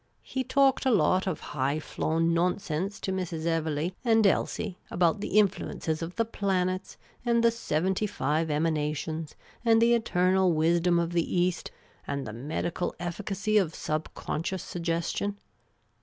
He talked a lot of high flown nonsense to Mrs, Evelegh and Elsie about the influences of the planets, and the seventy five emanations, and the eternal wisdom of the East, and the medical efficacy of sub conscious suggestion.